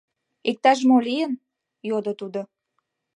— Иктаж-мо лийын? — йодо тудо.